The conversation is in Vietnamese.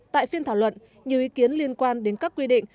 tại phiên thảo luận nhiều ý kiến liên quan đến các quy định